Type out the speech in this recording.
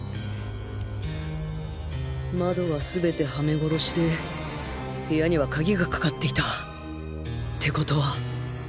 窓は全て嵌め殺しで部屋には鍵がかかっていたってことは